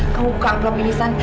aku buka amplop ini aksan